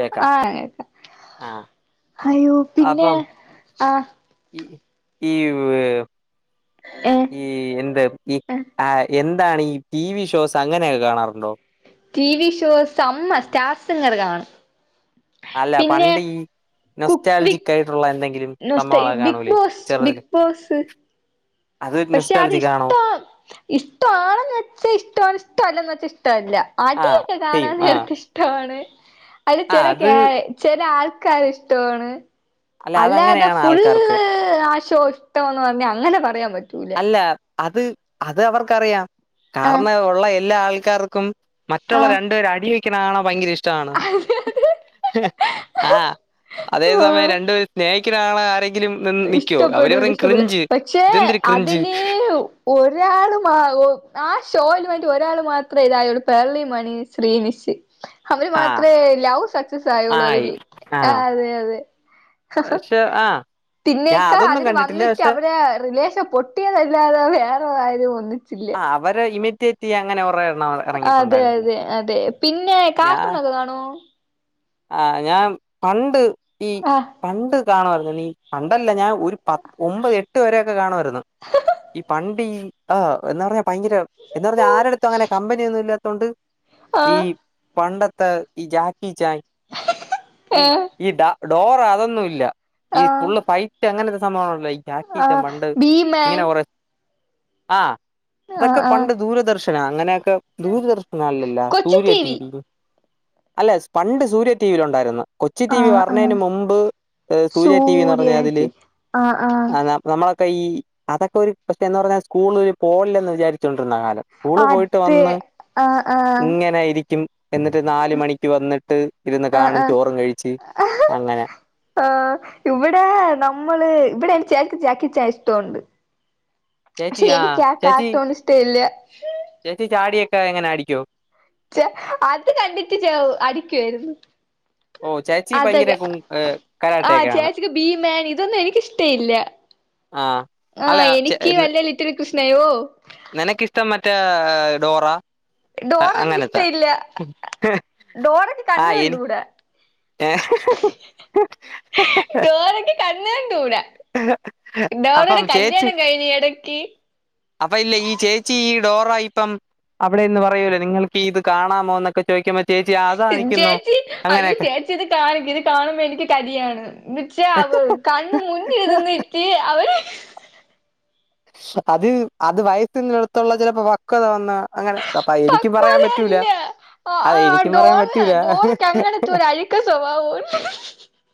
കേക്കാം ആ [unintelligible] ക്ക ആ അയ്യോ പിന്നെ അപ്പം ആഹ് ഈ ഈ വ് ഏഹ് ഈ എന്ത് ഈ ഏഹ് ആ എന് ന്താണ് ഈ ടി വി ഷോസ് അങ്ങനെയൊക്കെ കാണാറുണ്ടോ ടി വി ഷോസ് അമ്മ സ്റ്റാർ സിംഗർ കാണും അല്ല പിന്നെ പണ്ട് ഈ കുക്ക് വിത്ത് നൊസ്റ്റാൽജിക്കയിട്ടോള്ള എന്തെ നോസ്റ്റ ബിഗ്ബോസ് ബിഗ് ബോസ് അത് പക്ഷെ അത് നൊസ്റ്റാലജിക് ആണോ ഇഷ്ടം ഇഷ്ടവാണെന്ന് വെച്ചാ ഇഷ്ടമാണ് ഇഷ്ടല്ലന്ന് വച്ച ഇഷ് ട്ടല്ല ആ ആടിയൊക്കെ സെയിം കാണാൻ ആ നേരത്തെ ഇഷ്ടവാണ് അല്ല ആ ചെല അത് ക്യാ ചെല ആൾ ക്കര് ഇഷ്ടവാണ് അല്ല അല്ലത അതങ്ങനെയാണ് ആൾക്കാർക്ക് ഫുള്ള് ആശ ചോ ഇഷ്ടന്ന് പറഞ്ഞ അങ്ങനെ പറയാൻ പറ്റ് റ്റൂല അല്ല അത് അത് അവർക്കറിയാം ആഹ് കാരണം ഉള്ള എല്ലാ ആൾ ക്കാർക്കും മറ്റുള്ള ആഹ് രണ്ടുപേര് അടി വെ ക്ക്ണാണാ ഭയങ്കര ഇഷ് ട്ടാണ് അതെ അതെ അതേ സമയം ആഹ് രണ്ട് പേര് സ്നേഹി ക്ക്ണ കാണാൻ ആരെ ഇഷ്ടപ്പെടൂല ഇഷ്ടപെടുല പക്ഷെ ഇതെന്തൊരു അ ക്രിഞ്ച് തിലേഹും ഒരാള് മാ [unintelligible] ആ ആ ഷോ ഒരാൾ മാത്രമേ ഇതായ ള്ളു പെർലിമണി ശ്രീനിഷ് അവര് ആ മാത്രമേ ലവ് സക്സസ് ആയുള്ളൂ അതില് ആ അതെ അതെ പക്ഷെ ആ ഞാൻ പിന്നേക്കാ അതൊന്നും അതിൽ കണ്ടിട്ടില്ല വന്നിട്ട് പക്ഷെ അവരെ റിലേഷൻ പൊട്ടിയതല്ലാതെ വേറെ [unintelligible] ആ അവര് ഇമി എത്തി ത്തി അങ്ങന്നെ കൊറെ അതെ അതെ അതെ പിന്നെ ഞാൻ കാർട്ടുണൊക്കെ കാണോ ആ ഞാൻ പണ്ട് ഈ ആഹ് പണ്ട് കാണുമായിരുന്നു നീ പണ്ടല്ല ഞാൻ ഒരു പ ഒമ്പത് എട്ട് വരെക്കെ കാണുമായിരുന്നു ഈ പണ്ട് ഈ ആ എന്ന് പറഞ്ഞ ഭയങ്കര എന്ന് പറഞ്ഞാൽ ആരുടുത്തും അങ്ങനെ കമ്പനിയൊന്നും ഇല്ല ഉണ്ട് ഈ ആഹ് പണ്ട ത്തെ ഇ ജാക്കി ചാൻ ഈ ഏഹ് ഈ സാ ഡോറ അതൊന്നും ഇല്ല ഈ ആഹ് ഫുള്ള് ഫൈറ്റ് അങ്ങനത്തെ സംഭവങ്ങൾ വൈ ജാകിജാ ആഹ് പണ്ട് ഭീമൻ ഇങ്ങനെ കുറെ ആ ആഹ് അതൊക്കെ ആഹ് പണ്ട് ദൂരദർശൻ ലാ അങ്ങനെ ക്ക ദൂരദർശനല്ലല്ല Kochu Surya T T V അല്ലെ സ്പണ്ട് സൂര്യ ടിവിൽ ഉണ്ടായിരുന്നു കൊച്ചു ടി വി ആഹ് ആഹ് വറനേന് മുമ്പ് സൂര്യ ടി വി ന്നു പറഞ്ഞാൽ ടി അതില് വി ആഹ് ആഹ് നമ്മള ഈ അതൊക്കെ ഒരു പ്രേത്യേ എന്ന് പറഞ്ഞാ സ്കൂള് പോകില്ലന്ന് വിചാരിച്ചുണ്ട് വന്നിരുന്ന കാലം സ്കൂള് പോയിട്ട് അത് വന്ന് ആഹ് ആഹ് ഇങ്ങനെയിരിക്കും എന്നിട്ട് നാല് മണിക്ക് വന്നിട്ട് [unintelligible] ഇരുന്ന് കാണും ആഹ് ചോറും കഴിച്ചു ആഹ് അങ്ങനെ ആഹ് ഇവിടെ നമ്മള് ഇവിടെ എനി ചേട്ടൻ ചക്കിച്ചാൻ ഇഷ്ടമുണ്ട് ചേച്ചി പക്ഷെ ആ എനിക്കാ ചേച്ചി കാർട്ടൂൺ ഇഷ്ടം ഇല്ല ചേച്ചി ചാടിയൊക്കെ എങ്ങനെ അടിക്കോ ചെ അത് കണ്ടിട്ട് ച അടിക്കാരുന്നു ഓ ചേച്ചി ഭയങ്കര അതൊക്കെ കു ഏഹ് ആഹ് കരാട്ടയൊക്കെയാണ് ചേച്ചിക്ക് ഭീമൻ ഇതൊന്നും എനിക്കിഷ്ടല്ല ആഹ് ആ അല്ല എനിക്ക് വലിയ ലിറ്റിൽ കൃഷ്ണയോ നിനക്ക് ഇഷ്ടം മറ്റേ ഡോറ ഡോറ അങ്ങനത്തെ എനിക്കിഷ്ടയില്ല ഡോറക്ക് കണ്ണു ആഹ് എനി കണ്ടൂടാ ഡോറക്ക് കണ്ണ് കണ്ടൂടാ ഡോറയുടെ കല്യാണം കഴിഞ്ഞ് എട [unintelligible] അപ്പ ഇല്ലെ ഈ ചേച്ചി ഈ ഡോറായും ഇപ്പം അവിടെന്ന് പറയൂല്ലെ നിങ്ങൾക്കീ ഇത് കാണാമോ എന്നൊക്കെ ചോദിക്കുമ്പോ ചേച്ചി അതാ നിക്കുന്നു ചേച്ചി അയ്യോ അങ്ങനെയൊക്കെ ചേച്ചി ഇത് കാണ് ഇത് കാണുമ്പോ എനിക്ക് കലിയാണ് ബക്ഷേ അവര് കണ്ണിൻ മുന്നിൽ നിന്നിട്ട് അവര് അത് അത് വയത്തിന്റെ അടുത്തുള്ള ചിലപ്പോ വക്കാത് വന്നാ അങ്ങനെ അപ്പ എനിക്കു പറയാൻ പറ്റൂല പക്വതയല്ല ആ ആ അതെ എനിക്കും പറയാൻ ഡോറ പറ്റൂല ഡോറക്ക് അങ്ങനത്തെ ഒരു അഴുക്ക സ്വഭാവോണ്ട്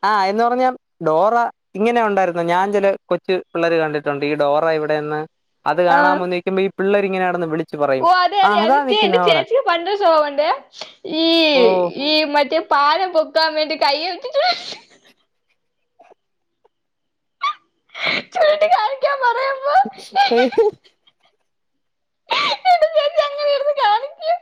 ആ എന്നോ പ്പ ഞാൻ ഡോറ ഇങ്ങനെ ഒണ്ടായിരുന്നു ഞാൻ ചില കൊച്ച് പിള്ളേര് കണ്ടിട്ടുണ്ട് ഈ ഡോ പ്പ താ ഇവിടെന്ന് അത് കാണാൻ ആഹ് വന്നിക്കുമ്പ ഈ പിള്ളേര് ഇങ്ങനെ കടന്ന് വിളി ഓ അതെ അതെ അത് [unintelligible] എന്റെ ചേച്ചിക്ക് പണ്ട് ഒരു സ്വഭാവവുണ്ടെ ഈ ഓ ഈ മറ്റേ പാലം പൊക്കാൻവേണ്ടി കയ്യിൽ [unintelligible] [unintelligible] പറയുമ്പോ [unintelligible] എന്നിട്ട് ചേച്ചി അങ്ങനെ ഇരുന്ന് കാണിക്കും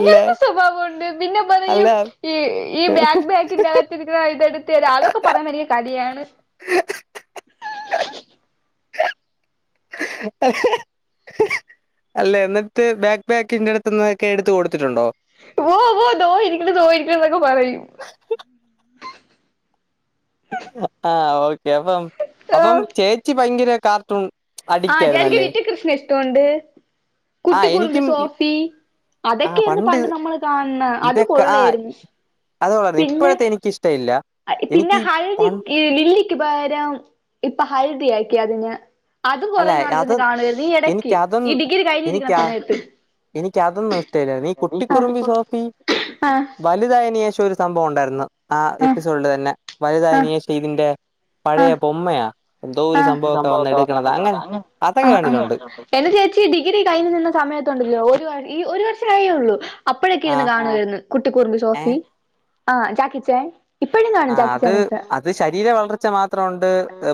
അല്ല സ്വഭാവോണ്ട് പിന്നെ അല്ല പറയും ഈ ഈ ബാക്ക് ബാക്കിന്റെകത്തിരിക്കുന്ന ഇതെടുത്തരാം അതൊക്കെ പറയുമ്പോ എനിക്ക് കലീയാണ് അല്ല എന്നിട്ട് ബാക്ക് ബാക്കിന്റെ അടുത്ത്ന്ന്തൊക്കെ എടുത്തു കൊടുത്തിട്ടുണ്ടോ ഓ വോ ദോ ഇരിക്ക്ണ് സുഗായിരിക്കന്ന്നൊക്കെ പറയും ആ ഓക്കെ അപ്പം അപ്പം ചേച്ചി ഭയങ്കര കാർട്ടൂൺ ആ അഡിക്റ്റ് ജയാദക്ക് ആയിരുന്നല്ലേ ലിറ്റിൽ കൃഷ്ണയെ ഇഷ്ടമുണ്ട് ആഹ് കുട്ടിക്കൂറുമ്പി എനിക്കും സോഫി അതൊക്കെയായിരുന്നു പണ്ട് നമ്മൾ കാണണെ അത് ഇതൊക്കെ ആഹ് കൊള്ളായിരുന്നു അത് പറഞ്ഞ് പിന്നെ ഇപ്പോഴത്തെ എനിക്ക് ഇഷ്ടമില്ല എനിക്ക് പിന്നെ ഈ ഹല്ധി പൺ ക്ക് ലീ ക്ക് പകരം ഇപ്പൊ ഹൽദി ആക്കി അതിന് അതും അല്ല കൊറേ അത് നാളിരുന്ന് കാണുവായിരുന്നു ഈ എടക്ക് ഈ എനിക്കതൊന്നും ഡിഗ്രി എനിക്ക കഴിഞ്ഞിരിക്കുന്ന സമയത്ത് എനിക്കതൊന്നും ഇഷ്ടല്ലായിരുന്നു ഈ കുട്ടിക്കുറുമ്പി സോഫി ആഹ് വലുതായനെഷം ഒരു സംഭവം ഉണ്ടായിരുന്നു എന്ന് ആ ആഹ് എപ്പിസോഡിൽ തന്നെ. വലുതായെന് ആഹ് ശേഷം ഇതിന്റെ പഴയ ആഹ് പൊമ്മയ. എന്തോരു സംഭവം ഒക്കെ വന്നിട് ആഹ് ആഹ് എന്റെ ചേച്ചി ഡിഗ്രി കഴിഞ്ഞു നിന്ന സമയത്തുണ്ടല്ലോ ഒരു ഈ ഒരു ച്ചായെ ഉള്ളു. അപ്പോഴൊക്കെ ആ ഇരുന്ന് കാണുവായിരുന്നു കുട്ടിക്കൂറമ്പി സോഫി ആഹ് ജാക്കിച്ചേൻ ആഹ് അത് അത് ശരീര വളർച്ച മാത്രംണ്ട്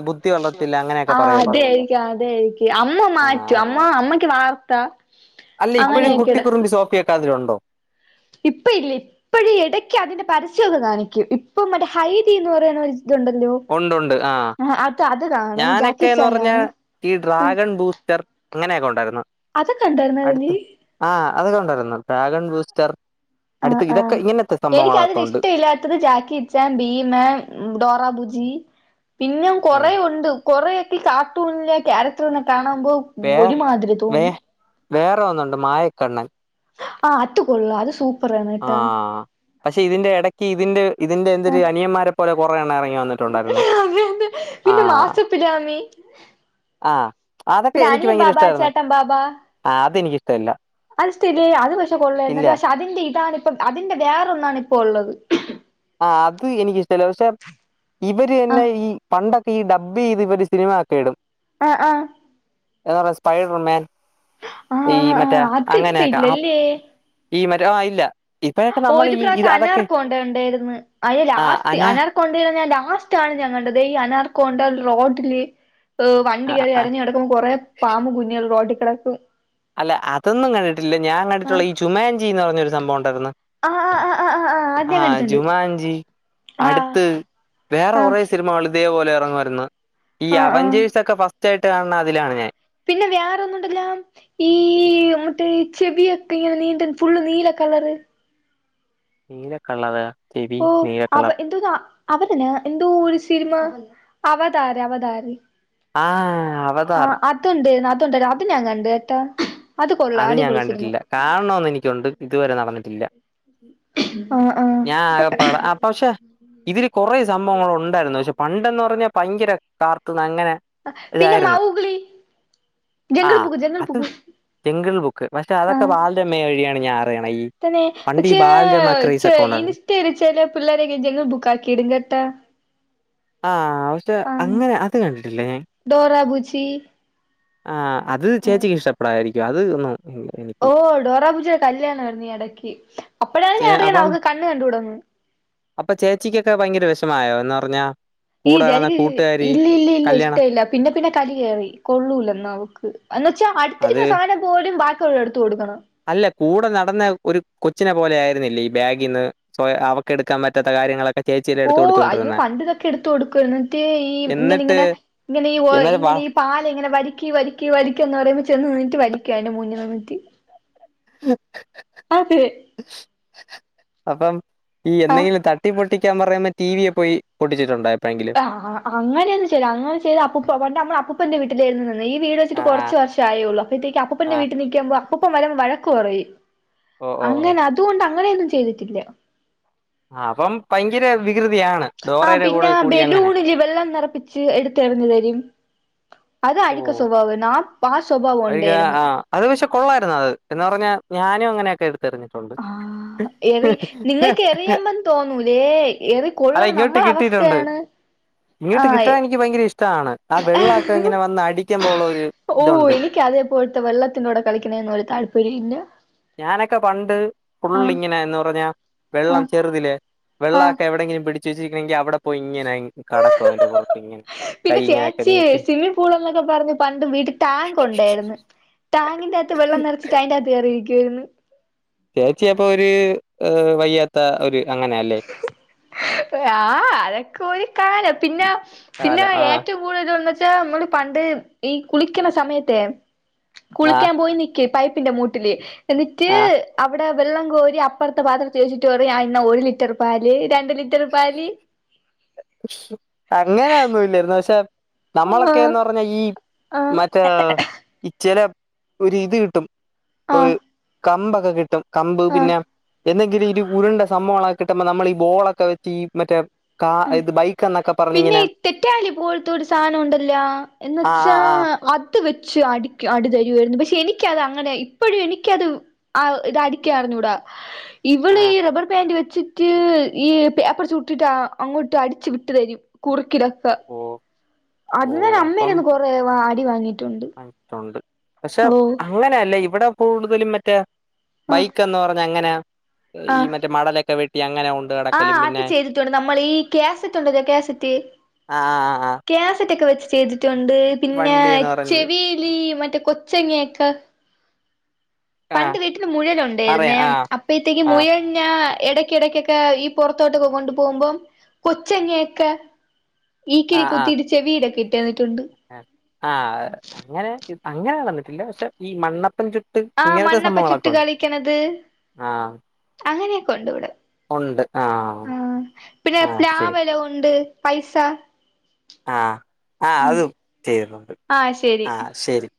ബുദ്ധി വളർത്തിൽ ആഹ് അതെ ആയിരിക്കും അതെ ആയിരിക്കും അമ്മ ആ മാറ്റും അമ്മ അമ്മക്ക് വാർത്ത അല്ല ഇപ്പോഴും അങ്ങനെയൊക്കെണ്. കുട്ടിക്കുറുമ്പി സോഫിയൊക്കെ അതിലുണ്ടോ ഇപ്പ ഇല്ല ഇപ്പഴും ഇടയ്ക്ക് അതിന്റെ പരസ്യം ഒക്കെ കാണിക്കും ഇപ്പം മറ്റേ ഹൈദി എന്ന് പറയുന്ന ഒര ഉണ്ട് ഉണ്ട് ആഹ് അത് കാണും ഞാനൊക്കെന്ന് ജാക്കിച്ചാൻ പറഞ്ഞാ കാണും ഈ ഡ്രാഗൺ ബൂസ്റ്റർ, അങ്ങനെയൊക്കെ ഉണ്ടാരുന്നു. അതൊക്കെണ്ടായിരുന്ന അതില്? അതൊക്കെ ഉണ്ടായിരുന്നു ഡ്രാഗൺ ബൂസ്റ്റർ ആഹ് അടുത്ത് ആഹ് ഇതൊക്കെ ഇങ്ങനത്തെ എനിക്ക് അതിൽ സംഭവങ്ങളൊക്കെ ഉണ്ട് ഇഷ്ടല്ലാത്തത് ജാക്കിചാൻ, ഭീമൻ, ഡോറ ബുജി ജി പിന്നെ ഉം കൊറേ ഉണ്ട് കൊറേ ഈ കാർട്ടുണിലെ ക്യാരക്ടർനെ കാണാൻ മ്പം വേറെ ഒരുമാതിരി വേ തോന്നും വേറെ ഒന്നുണ്ട് മായക്കണ്ണൻ ആ അത് കൊള്ള അത് സൂ ആ പക്ഷേ ഇതിന്റെ എടയ്ക്ക് ഇതിന്റെ ഇതിന്റെ എന്തര് ആഹ് അനിയന്മാരെ പോലെ കൊറേ എണ്ണം എറങ്ങി- പിന്നെ ആഹ് മാസപ്പിനാമി ആഹ് അതൊക്കെ പിന്നെ എനിക്ക് അനിയൻ ഭയങ്കര ബാബ ഇഷ്ടമായിരുന്നു ചേട്ടൻ ബാബാ ആഹ് അതെനിക്കിഷ്ടമല്ല അത് ഇഷ്ടം ഇല്ലേ അത് പക്ഷെ കൊള്ളാര്ന്ന് ഇല്ല ട്ടാ പക്ഷെ അതിന്റെ ഇതാണ്- അതിന്റെ വേറെ ഒന്നാണ് ഇപ്പോ ഉള്ളത്- ആ അത് എനിക്കിഷ്ടല്ല പക്ഷെ- ഇവര് തന്നെ ആഹ് ഈ പണ്ടത്ത്- ഈ ഡബ് ചെയ്ത് ഇവര് സിനിമ ആക്കിയിടും- ആഹ് ആഹ് എതന്നറിയ സ്പൈഡർ മാൻ- ആഹ് ഈ ആഹ് ആഹ് മറ്റേ അത് ഇപ്പ അങ്ങനെയൊക്കെ ആഹ് ഇല്ലല്ലേ - ഈ മരം ആ ഇല്ല- ഇപ്പോഴൊക്കെ നമ്മൾ ഒരു ഈ ഇത് പ്രാവശ്യം അതൊക്കെ അനാർക്കോണ്ട കണ്ട്- ണ്ടായിര്ന്ന് അതില് ആഹ് ലാസ്റ്റ് അന അനാർകൊണ്ടെടെ ഞാൻ ലാ- ലാസ്റ്റ് ആണ് ഞാൻ കണ്ടത് ഈ അനാർകോണ്ട റോഡില്- ഏ്ഹ ആ, വണ്ടി കയറി ആ. അരഞ് കടക്കുമ്പോ കുറെ പാമ്പ്കുഞ്ഞുങ്ങൾ റോട്ടി- കടക്കും- അല്ല അതൊന്നും കണ്ടിട്ടില്ല ഞാൻ ആ കണ്ടിട്ടുള്ള ഈ ചുമാൻചി എന്ന് പറഞ്ഞൊരു സംഭവം ഉണ്ടായിരുന്നു- ആ ആ ആ ആ ആ ആ അത് ഞാൻ ആഹ് കണ്ടിട്ടുണ്ട് ജുമാൻചി ആ അടുത്ത് വേറെ ആ കുറെ സിനിമ കള്- ഇതേപോലെ എറങ്ങുവാരുന്നു. ഈ ആ ആ അവഞ്ചേഴ്സ് ഒക്കെ ഫസ്റ്റ് ആയി ട്ട് കാണ് ണ അതിലാണ് ഞാൻ. പിന്നെ വേറൊന്നുംണ്ടല്ലോ ഈ മുട്ട് ചെവിയൊക്കെ ഇങ്ങനെ നീണ്ട് ഫുള്ള് നീല കളറ്. നീല കളറോ ഓ അവ എന്തോ അവനന്നെ എന്തോ ഒരു സിനിമ അവതാര അവതാരി. ആഹ് അവതാർ അതും ഞാ കണ്ട് എ ട്ടാ അത് ഞാൻ കണ്ടിട്ടില്ല. കാണണം എന്നെനിക്കുണ്ട്.. ഇതുവരെ നടന്നി ട്ടില്ല ആ ആ ഞാ ആകപ്പാട പശേ ഇതില് കൊറെ സംഭവങ്ങൾ ഉണ്ടായിരുന്നു പക്ഷെ പണ്ടന്ന് പറഞ്ഞ ഭയങ്കര കാർത്തന്ന് അങ്ങനെ പിന്നെ ഇതായിരുന്നു മാവുകളി ജങ്കൾ പുക്ക് ജങ്കൾൾ പുക്ക് ൾ ബുക്ക് പക്ഷെ അതൊക്കെ ബാലരമ [unintelligible] തന്നെ പണ്ട് ഈ പക്ഷേ ബാലരമ ക്രൈസ് ച്ചെ ഒക്കെ ഉണ്ടായിരുന്നു ഇനിഷ്ട്ടെനി ച്ചെലെ പിള്ളേരെങ്ങെ ജങ്ങൾ ബുക്ക ആക്കി ഇടും കേട്ടാ ആ ക്ഷെ ആ അങ്ങനെ അത് കണ്ടിട്ടില്ലേ ഡോറ ബുജി ൻ ആ അത് ചേച്ചിക്ക് ഇഷ്ടപ്പെടായിരി ക്കെ അത് ഹ് ന്നോ ഓ ഡോറാപൂജേഎ ജയുടെ കല്യാണ നീ എടാക്കി ഇല്ല അപ്പഴാണ് ചേ ഞാൻ അറിയ്ണെ അപ്പം അവക്ക് കണ്ണ് കണ്ടുടന്ന് അപ്പൊ ചേച്ചിക്കൊക്കെ ഭയങ്കര വിഷമായോ ന്നർഞ്ഞ ഈ ജനകില് ഇല്ല ഇല്ല ഇല്ല കല്യാണം ഇഷ്ട ഇല്ല പിന്നെ പിന്നെ കലി കേറി കൊള്ളൂല ന്ന അവക്ക് എന്നെച്ചാ അത് അടുത്തിരിക്കുന്ന സാനം പോലും ബ [unintelligible] ത്ത് ഒടുക്കണ അല്ല കൂടെ നടന്ന ഒരു കൊച്ചിനെ പോലെ ആയിരുന്നില്ലേ ഈ ബാഗിന്ന് സ്കൊയ അവക്കെടുക്കാൻ പറ്റാത്ത കാര്യങ്ങളൊക്കെ ചേച്ചിയല്ലേ ഓ എടുത്ത് അയ്യോ കൊടുത്തോണ്ടിരുന്നെ പണ്ട്തൊക്കെ കൊടുക്കുന്നിട്ട് ഈ ഇങ്ങനെ എന്നിട്ട് ഇങ്ങനെ ഇങ്ങനെ യു എ എന്നാലും വാ ഇങ്ങനെ ഈ പാല ഇങ്ങനെ വര്ക്കി വര്ക്കി വര്ക്കി ഒന്ന് ആടേന്ന് പറയുമ്പോ ചെന്ന് നിന്നിട്ട് വലിക്ക അയ്ന്റെ മുന്നിനിന്നി റ്റി ഉം അതെ അപ്പം ഈ ആഹ് എന്തെങ്കിലും തട്ടി പൊട്ടി. പഠിക്കാൻ പറയുമ്പോ ടി വിയെ പോയി പൊട്ടിച്ചിട്ടുണ്ടോ? എപ്പോഴെങ്കിലും ആഹ് അങ്ങനെയൊന്നും ചെയ്യൂല അങ്ങനെ ചെയ്താൽ അപ്പൂപ്പ പണ്ട് നമ്മള് അപ്പൂ അപ്പൂപ്പന്റെ വീട്ടിലായിരുന്നു. ഈ വീട് വെച്ചിട്ട് ആഹ് കുറച്ച് ആഹ് വർഷം ആയുള്ളൂ അപ്പഴത്തേക്ക് അപ്പൂപ്പന്റെ ആഹ് വീട്ടിൽ നിക്കാപ്പോ. അപ്പൂപ്പൻ വരുമ്പോ വഴക്ക് പറയും. ഓ ഓ ഓ അങ്ങനെ അതുകൊണ്ട് അങ്ങ അങ്ങനെയൊന്നും ചെയ്തിട്ടില്ല. ആ അപ്പം ഭയങ്കര വികൃ ആ പിന്നെ ബലൂണില് വെള്ളം നിറപ്പിച്ച് എടുത്തെറിഞ്ഞു തരും. അത് അഴിക്ക് സ്വഭാവം നമ്മ് അഴുക്ക് ആഹ് അത് പക്ഷെ കൊള്ളായിരുന്നു അത് എന്നുപറഞ്ഞാൽ ഞാൻ. നും അങ്ങനെയെടുത്തു. ആഹ് എറി നിങ്ങൾക്ക് എറിയുമ്പോ തോന്നൂല്ലേ എറി അല്ല കൊള്ളണം ഇങ്ങോട്ട് നമ്മടെ കിട്ടിയിട്ടുണ്ട് അവസ്ഥയാണ് ആഹ്. ഇഷ്ടയാണ് ആ വെള്ളമൊക്കെ ഇങ്ങനെ വന്ന് അടിക്കുമ്പോ ഉള്ളൊരു ഒരു ഇതുണ്ട്. ഇപ്പോഴത്തെ വെള്ളത്തിന്റെ കൂടെ കളിക്കണേന് ഒരു താല്പര്യില്ല ഞാനൊക്കെ പണ്ട് ഫുൾ ഇങ്ങനെ എന്ന് പറഞ്ഞാ വെള്ളം ആഹ് ചെറുതില്ലെ വെള്ളം ആഹ് ഒക്കെ എവിടെയെങ്കിലും പിടിച്ച ചേച്ചിനിക്കണെങ്കിൽ അവിടെ പോയിങ്ങനെ [unintelligible] പിന്നെ ഇങ്ങനെയൊക്കെ ചേച്ചി നീട്ടി സ്വസിമ്മിംഗ്പൂൾ എന്നൊക്കെ പറഞ്ഞഞ് പണ്ട് വീട്ടിൽ ടാങ്ക് ഉണ്ടായിരുന്നു ടാങ്കിന്റെ അകത്ത് വെള്ളം നിറച്ചിട്ട് അതിന്റെറ അകത്ത് കെറി യിരിക്കും [unintelligible] ചേച്ചി അപ്പൊ ഒരു വയ്യാത്ത ഒരു അങ്ങനെയല്ലേ [unintelligible] ആ അതൊക്കൊരു കാലം പിന്നെ പിന്നെ കാലം ആ ഏറ്റവും കൂടുതൽ ഇത് വന്ന നമ്മള് പണ്ട് ഈ കുളിക്കണ സമയത്തെ ആ കുളിക്കാൻ പോയി നിക്കും പൈ പിന്നെ മൂട്ടില് എന്നിട്ട് ആ അവിടെ വെള്ളം കോരി അപ്പറത്തെ പാത്രത്തിൽ വെച്ചിട്ട് പറയും ഒരു ലിറ്റ ലിറ്റർ പാല് രണ്ട് ഒരു ലിറ്റർ പാല് [unintelligible] അങ്ങനെയൊന്നുമില്ല എന്നുവെച്ചാൽ നമ്മളൊക്കെ ആഹ് എന്ന് പറഞ്ഞാ ഈ ആഹ് മറ്റേ ചെല ഒരു ഇത് കിട്ടും. ആഹ് [unintelligible] കമ്പ ക്കെ കിട്ടും കമ്പ് ആഹ് പിന്നെ എന്തെങ്കിലും ഇരു കുരുണ്ട സംഭവങ്ങള കിട്ടുമ്പോ നമ്മൾ ഈ ബോളൊക്കെ വെച്ച് ഈ മറ്റേ കാഹ് ആഹ് പിന്നെ തെറ്റാലി പോലത്തെ സാധനം ഉണ്ടല്ല എന്നന്ന് ആ ആ വച്ചാ ആ ത്ത് വെച്ച് അടി അടിതരുയിരുന്നു. പക്ഷെ എനിക്ക അത് ഇപ്പോഴും എനിക്കത് ആ ഇത് അടിക്കായിഞ്ഞൂടാ ആ ഇവള് റബർ പാന്റ് വെച്ച്. വച്ചിട്ട് ഈ പേപ്പർ ചൂട്ടിയിട്ട് അങ്ങോട്ട് അടിച് വിട്ടു തരും കുർക്കിട സ ഓ അത്ന്നാ അമ്മരുന്നു കുറേ അ അടി വങ്ങി ആയി ടോണ്ട് പക്ഷെ അങ്ങനെയല്ലേ ഇ ഇവിടെ കൂടുതലും മറ്റേ ആഹ് ബൈക്ക് എന്ന് പറഞ്ഞ അങ്ങനെ? ഈ മറ്റേ മടലൊക്കെ വെ ആ അത് ചെയ്തിട്ടുണ്ട് നമ്മൾ കേസറ്റ് ഉണ്ടലേ കേസറ്റ് ആ ആ ആ കേസറ്റ് ഒക്കെ വെച്ച് ചെയ്തി ണ്ട് പിന്നെ വണ്ടിന്ന് പറഞ്ഞ് ചെവില് മറ്റ കൊച്ചങ്ങക്ക ആ പണ്ട് വീട്ടിൽ മുയൽ ഉണ്ടെരുന്നെ അറിയാം ആ അപൈത്തേക്കും ആ മുയൽനെ ഇടയ്കിടകെക്കെ ഈ പുൊറത്തോട്ടൊക്ക കൊണ്ടു പോകുമ്പം കൊച്ചങ്ങക്കെ ഇക്കിളി ആ ആ കുത്തി ചെവിലേകേ [unintelligible] ആ അങ്ങനെ ഇസ് അങ്ങനെ വന്നിട്ടില്ല പക്ഷെ ഈ മണ്ണപ്പൻ ചുട് ആ മണ്ണപ്പം ചുട്ടു കളിക്കണത് ആ അങ്ങനെ കൊണ്ടു ഇവിടെ ഉണ്ട് ആ ആഹ് പിന്നെ ആ ശരി പ്ലാവെല ഉണ്ട് പൈസ ആ ആ അതും ചെയ്യുന്നുണ്ട് ആഹ് ശരി ആ ശരി